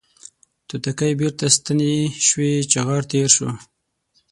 توتکۍ بیرته ستنې شوې چغار تیر شو